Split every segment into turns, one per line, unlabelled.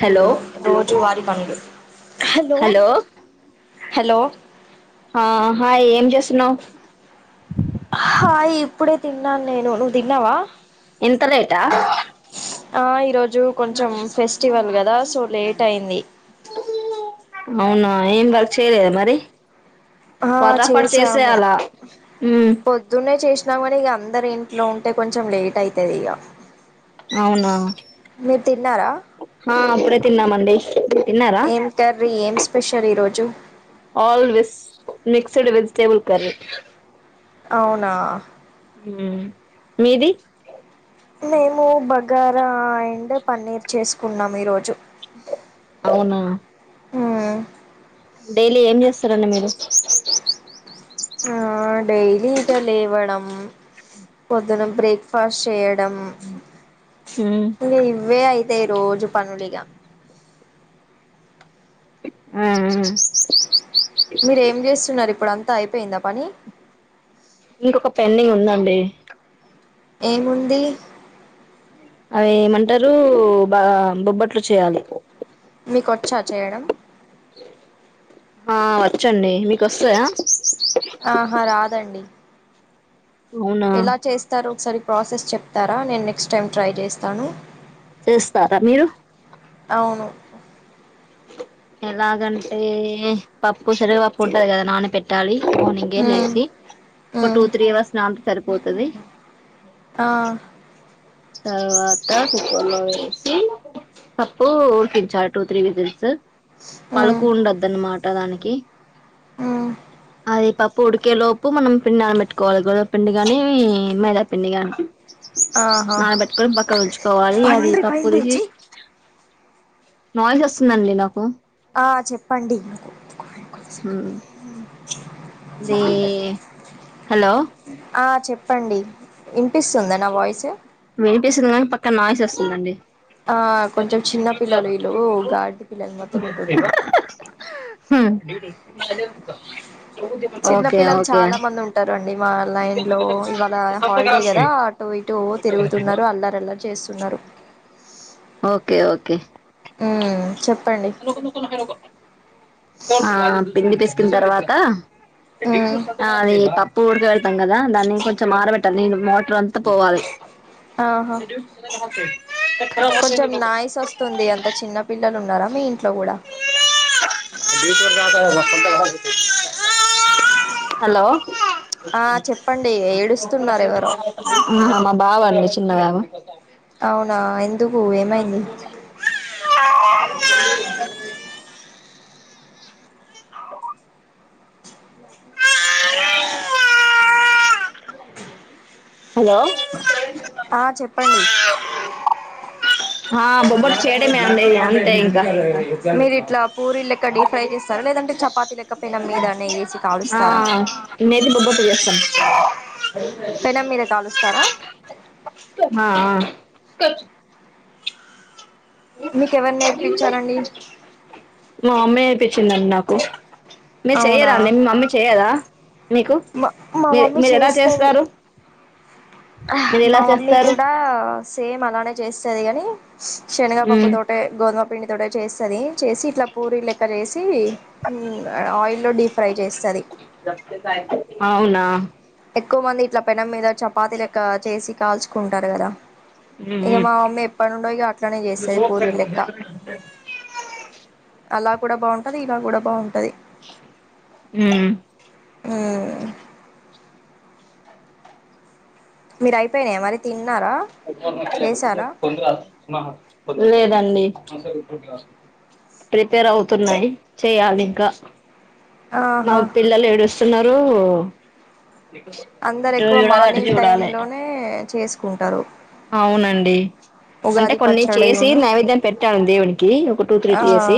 Hello
రోజు వారి పనులు, హలో
ఆ హాయ్ ఏం చేస్తున్నావు
ఇప్పుడే తిన్నాను నేను నువ్వు తిన్నావా.
ఇంత లేటా.
ఆ ఈరోజు. కొంచెం ఫెస్టివల్గా. దా సో లేట్ అయింది
అవునా ఏం వర్క్ చేయలేద మరి
ఆ
ఫటాఫట్
చేసాము
చేసేయలా ఉమ్
నము ఇగ అందరు ఇంట్లో ఉంటే కొంచెం లేట్ అయితది ఇగ
అవునా తిన్నామండి తిన్నారా
ఏం కర్రీ ఏం స్పెషల్ ఈరోజు
ఆల్ విస్ మిక్ సుడు వెజిటేబుల్ కర్రీ
అవునా
మీది
నేను బగా ర అండ్ పన్నీర్ చేసు కున్నాం ఈరోజు
అవునా
హూ
డైలీ ఏం చేస్తారండి మీరు
ఆ డైలీ ఇకా లేవడం పొద్దున బ్రేక్ఫాస్ట్ చేయడం
ఉమ్
ఇ ఇవ్వే అయి తయి రోజు పనులిగా
ఆ ఆ
మీరు ఏం చేస్తున్నారు ఇప్పుడు అం తా అయిపోయింద పని
ఇంకొక పెండింగ్ ఉందండి
ఏముంది
అవి ఏమంటారు బా బొబ్బట్లు చేయాలి
మీకు వచ్చా చేయడం
ఆ వచ్చండి మీకు వస్తాయా
ఆహా రాదండి
అవునా
ఎలా చేస్తారు ఒక్కసారి ప్రాసెస్ చెప్తారా నేను నెక్స్ట్ టైం ట్రై చేస్తాను
చేస్తారా మీరు
అవును
ఎలాగంటే పప్పు సెనగపప్పు ఉంటది కదా నానపెట్టాలి మార్నింగే
మ్మ్
లేసి ఒక
మ్మ్
టూ త్రీ అవర్స్ నాంతే సరిపోతది
ఆ
తర్వాత కుక్కర్ లో వేసి పప్పు ఉడికించా టూ త్రీ విజిల్స్
మ్మ్
పలుకు ఉండద్దున్నమా ట దానికి
ఆ
అది పప్పు ఉడికేలోపు మనం పిండి నానబెట్టుకోవాలి గోధుమ పిండి గాని మైదాపిండి గాని
ఆ
నానబట్టుకొని పక్క ఉంచుకోవాలి అది తప్పు
పైంటోయ్
తీసి
చెయ్
నాలెడ్జ్ వస్తుందండి నాకు
ఆ చెప్పండి
అది హలో
ఆ చెప్పండి ఇ
వినిపిస్తుంది గానీ పక్క నయిస్స్త అండి
ఆ కొంచెం చిన్న పిల్లలు వీళ్ళు గాడిది పిల్లల మతుకుంటున్నారు
హు ఓకే
చిన్నపిల్లలు
ఓకే
చాలా మంది ఉంటారండి మా లైన్ లో ఇవాళ హాలిడే కదా ఎటో ఇటు తిగుతున్నారు అల్లారల్ చేస్తున్నారు
ఓకే ఓకే
ఊ చెప్
ను నకు నా [unintelligible] ఆ పిండి పిసుకుతున్న తర్వాత
ఉమ్
అ యి ప పోర్ గ ఉన్నదా దాన్ని కొంచం మారబెట్ నేను వటర్ అంతా పోవాలి
ఆహా కొంచెం నాయిస్ వస్తుంది అంత చిన్న పిల్లలు ఉన్నారా మీ ఇంట్లో కూడా
హలో
ఆ చెప్పండి ఏడుస్తున్నారు ఎవరో
ఆహా మా బాబు అండి చిన్నబాబు
చెప్పు ఏమైంది
ఆ
అ
హలో
ఆ చెప్పండి
ఆ బొబ్బట్టు చేయడమే అండి అంతే ఇంకా
మీరు ఇ ఇట్ పూరీ లెక్క డీ ఫ్రై చేస్తారు లేదే చపాతీ లె
ఆ నేతి బొబ్బట్లు చేస్తాం
పెనం మీద కాలుస్తారా
ఆ ఆ కచ్
మీకెవరు నేర్పించారండి
మా అమ్మే తెచ్చిందండి నాకు మీరు
అవునా
చెయ్యరా అండి మమీ చెయ్యద మీకు
మా మా
మీ
మమ్మీ
మీరు ఎలా చేస్తారు
హా
మీరు
మా
ఎలా
మమ్మీ
చేస్తారు
కూడా సేమ్ అలానే చేస్తది ఏంది శషనగ పప్పుు
మ్మ్
తోటే గోద పిండి తోటే చేస్తది చేసి ఇట్లా పూరీ లెక్క చేేసి ఆయిల్లో డీప్ ఫ్రై చేస్తుంది
అవునా
ఎక్కువ మంది ఇట్ల పెనం మీద చపాతి లెక్క చేసి కాల్చు కుంటారు కదా ఇక
మ్మ్
మా అమ్మ ఎప్పడుండో ఇక అట్లనే చేస్తది పూరీ లెక్క అలా కూడా బాగుంటది ఇలా కూడా బాగుంటది
ఉ
ఆ మీరయిపోయినాయ మరి తి
లేదండి ప్రిపేర్ అవుతున్నాయి చెయ్యాలి ఇంకా మా
ఆహా
పిల్లలు ఏడుస్ చున్నారు
అందరు ఎక్కువ మార్నింగ్ టైమ్ లోనే చేసుకుంటారు
అవునండి అంటే
ఉగాది
కొన్ని చేసి
పచ్చడిను
నైవేద్యం పెట్టాను దేవునికి ఒక టూ త్రీ
ఆ
త చేసి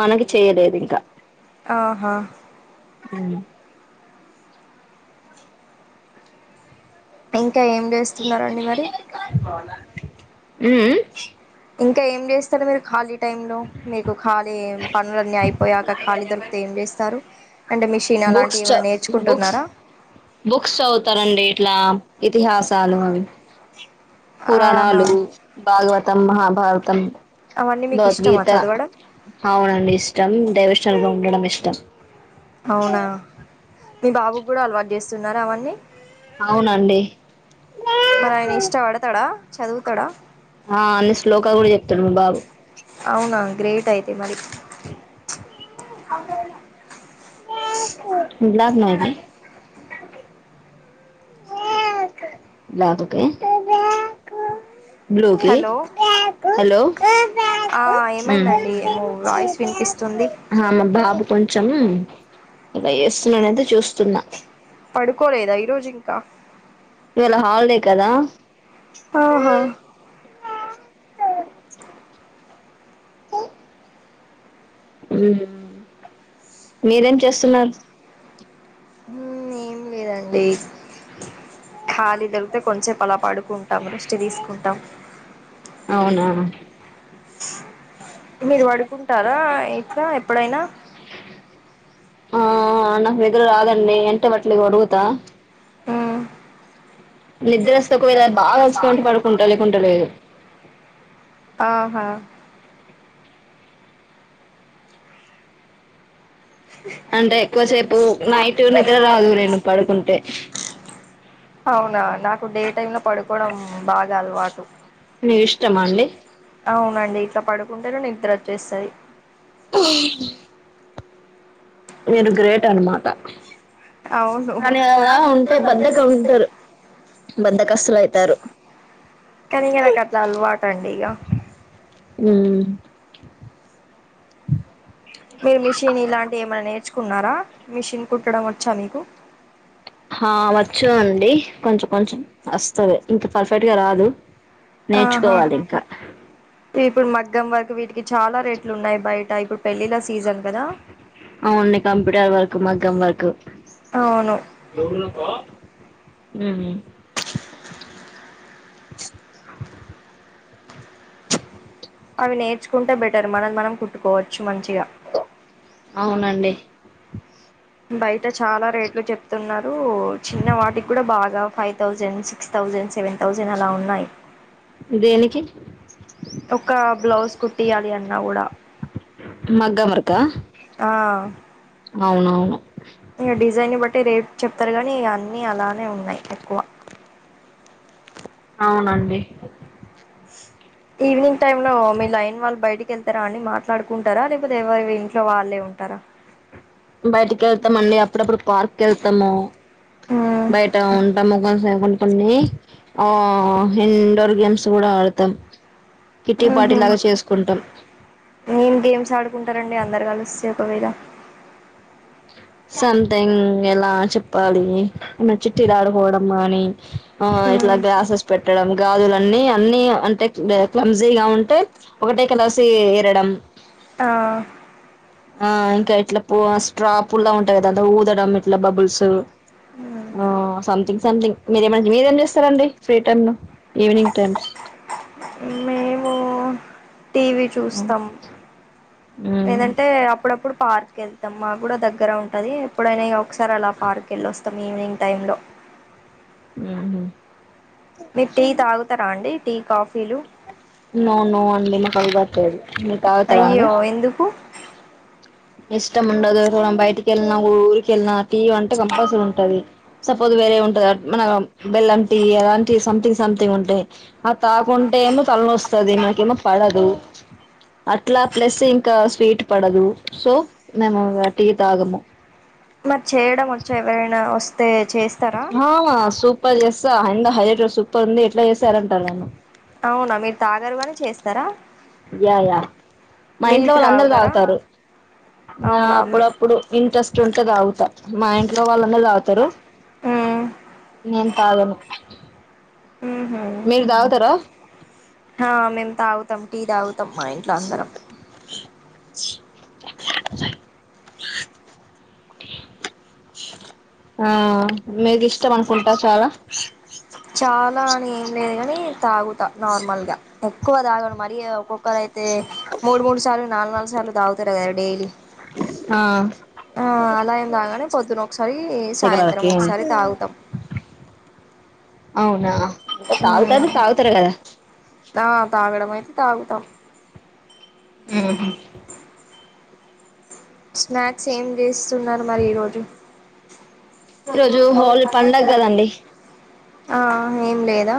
మనకి చేయలేదు ఇంకా
ఆహా
ఉ
[unintelligible] ఇంకా ఏం చేస్తున్నరండి మరి
ఉ ఉ
ఇంకా ఏం చేస్తారు మీరు ఖాళీ టైం లో మీకు ఖాళీ పనులన్నీ అయిపోయాక ఖాళీ దొరికితే ఏం చేస్తారు అంటే మిషన్
బుక్స్
అలాంటివి ఏమనా
చ బుక్స్
నేర్చుకుంటున్నారా
బుక్స్ చదువుతారండి ఇట్లా ఇతిహాసాలు అవి
ఆహా
భారతం
అవన్నీ మీకు ఇష్టమా
భవద్గీత
చదవడం
అవునండి ఇష్టం డైవషనల్ గా ఉండడం ఇష్ [unintelligible]
అవునా మీ బాబు కూడా అలవాటు చేస్తున్నార అవన్నీ
అవునండి
మనయన ఇష్టపడతాడా చదువుతాడా
ఆ అన్ని శ్లోకా కూడా చెప్తాడు మా బాబు
అవునా గ్రేట్ అయితే మరి
[unintelligible] బాబుకే బ్లూకి
హలో
హలో
ఆ ఏమైందండి ఏమో వాయిస్ వినిపిస్తుంది
మా బాబు కొంచెం ఇలా చేస్తున్నానతే చూస్తున్నా
పడుకోలేదా ఈరోజు ఇంకా
ఇవెళ హాలిడే కదా
ఆహా
ఊహు మీరేం చేస్తున్నారు
ఏం లేదండి కాలి దొరికితే కొంచెపు అలా పడు కుంటాం రెస్ట్ తీసుకుంటాం
అవునా
మీరు పడుకుంటారా ఇట్లా ఎప్పుడైనా
ఆ అనా నిదుర రాదన్నే ఎంట [unintelligible] తా
మ్మ్
నిద్రొస్తే ఒకవేళ బాగా అలిసిపోయుంటె పడుకుంట లేకుంటే లేదు
ఆహా
అంటే ఎక్కువసేపు నైట్ నిద్ర రాదు నేను పడుకుంటే
అవునా నాకు డే టైమ్ లో పడుకోవడం బాగా అలవాటు
మీకు ఇష్టమా
త
అండి
అవునండి ఇట్లా పడు [unintelligible] నిద్ర వచ్చేస్తది
మీరు గ్రేట్ అనమాట
అవును
కానీ అలా ఉంటే బద్ధకం అంటారు బద్దకస్తులు అయితారు
కానీ ఇక నాకు అట్లా అలవాటు అండి ఇక
ఉ
మీరు మిషిన్ ఇలాంటి ఏమైన్నా నేర్చుకో కున్నారా మిషిన్ కుట్టడం వచ్చా మీకు
ఆ వచ్చు అండి కొంచెం కొంచెం వస్తది ఇంకా పర్ఫెక్ట్గా రాదు
ఆహా
నేర్చుకోవాలి ఇంకా
ఇప్పుడు మగ్గం వర్క్ వీటికి చాలా రేట్లు ఉన్నాయి బయట ఇప్పుడు పెళ్ళిళ్ళ సీజన్ కదా
అవులీ కంప్యూటర్ వర్క్ మగ్గం వర్క్
అవును
ఉహు
అవి నేర్చుకుంటె బెటర్ మనవి మనం కుట్టుకోవచ్చు మంచిగ
అవునండి
బై టే చాలా రేట్లు చెప్తున్నారు చిన్న వాటికి కూడ బాగా five thousand, six thousand, seven thousand అలా ఉన్నాయి
దేనికి
ఒక బ్లౌజ్ కుట్టియ్యాలి అన్నా కూడ
మగ్గం వర్కా
ఆ
అవునవును
ఇగ డిజైన్ బట్టి రేట్ చెప్తారు గానీ ఇగ అన్నీ అలానే ఉన్నాయి ఎక్కువ
అవునండి
ఈవినింగ్ టైమ్ లో మీ లైన్ వాళ్ళు బయటకి వెళ్తారా, అని మాట్లాడుకుంటారా లేకపోతే ఎవరి ఇంట్లో వాళ్ళే ఉంటరా.
బయటికి వెళ్తామ అండి అప్పుడప్పుడు పార్క్ వెళ్తాము
ఉమ్
బయట ఉంటాము కొం సేపు న్ కొన్ని ఆ ఇండోర్ గేమ్స్ కూడా ఆడతాం కిట్టి పార్టీ లాగా చేసుకుంటాం
ఏం గేమ్స్ ఆడుకుంటారండి అందరు కలుస్ ఒకవేద
సంథింగ్ ఎలా చెప్పాలి మ చిట్టిలా ఆడుకోవడం కానీ ఆ ఇట్లా
ఉమ్
గ్లాసెస్ పెట్టడం గాజుల అ అన్ని అంటే క్లంజీగా ఉంటే ఒకటే కలాసి ఎరడం
ఆ
ఆ ఇంకా ఇట్లా ప స్ట్రాప్ పుల్లా ఉంటాయి కదాా ఊదడం ఇట్లా బబుల్స్ ఆ సథింగ్ సంథింగ్ మీరేమ మీరేం చేస్తారంండి ఫ్రీ టైమ్ ను ఈవినింగ్ టైమ్
మేవ టీవీ చూస్తాం ఏంటంటే అప్పుడప్పుడు పార్క్ వెళ్తాం మాకు కూడా దగ్గర ఉంటుంది ఎప్పుడైనా ఒకసారి అలా పార్క్ వెళ్ళొస్తాం ఈవినింగ్ టైంలో
హ
మీటిటీ తాగుతారా అండి టేక్ ఆఫ్
నను నిమ్మకాయలు బత్తేది
అయ్యో ఎందుకు
ఇష్టం ఉండదు చూడం బయటికి వెళ్ళిన ఊరికెళ్ళిన టీవ అంటే కంపల్సరీ ఉంటది సపోజ్ వేరే ఉంటది మన బెల్లం టీ ఎలాంటి సమ్థింగ్ సమ్థింగ్ ఉంటాయ్ అది తాకుంటేమో తల నొస్తుంది వస్తది నాకేమో పడదు అట్లా ప్లస్ ఇంకా స్వీట్ పడదు సో మేము టీ తాగము
మరి చేయడం వచ్చా ఎవరైనా వస్తే చేస్తారా
ఆమ సూపర్ జేస్త ఎండ సూపర్ హైలెట్ ఉంది ఇంట్ల జేస్తనే ఉంటా నేను
అవునా మీరు తాగరు గాని చేస్తరా
యా యా మా ఇంట్లో వాళ్ళు అందరు
తాగుతారా
తాగుతారు నా
అవునా మీ
అప్పుడప్పుడు ఇంట్రెస్ట్ ఉంటే తాగుత మా ఇంట్లో వాళ్ళందరు తాగుతరు
మ్మ్
నేన్ పాలను
హుమ్ హు ఆ మేము తాగుతాం టీ తాగు మా ఇంట్ల అందరం
ఆ మీకు ఇష్టం అనుకుంటా చాలా
చాలా అని లేదు గాని తాగుతా నార్మల్గా ఎక్కువ తాగను మరి ఒక్కొక్కరు అయితే మూడు మూడు సార్లు నాలుగు నాలుగు సార్లు తాగుతారు కదా డైలీ
ఆ
ఆ అలా ఏం తాగానే పొద్దున్న ఒకసారి సాయంత్రం
సెగలకి
ఒకసారి తాగుతాం
అవునా అంటే తాగుత
మ్మ్
తాగుతారు కదా
ఆ తాగడం అయితే తాగుతా
హుమ్
స్నాక్స్ ఏం చేస్తున్నారు మరి ఈరోజు
ఈ రోజు హోల్ పండగ కదండి
ఆ ఏం లేదా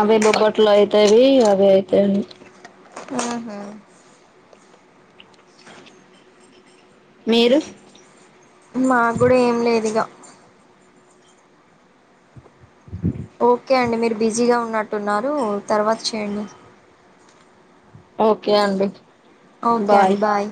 అవేమో బోట్లో అయితవి అవే ఏమి
ఆహా
మీరు
మాకు గుడా ఏం లేదు ఇగ అంటున్నారు తర్వాత చేయండి
ఓకే అండి
ఓకే అండి బాయ్